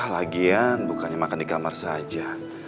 lagian bukannya makan di kamar saja